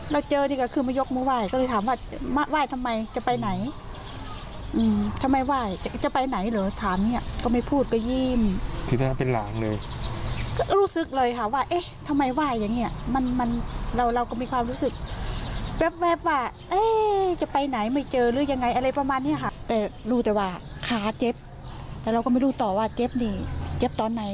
รู้แต่ว่าขาเจ็บแต่เราก็ไม่รู้ต่อว่าเจ็บตอนไหน